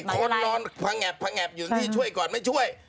ทั้งที่ค้นรอนพังแอบอยู่ที่ช่วยก่อนไม่ช่วย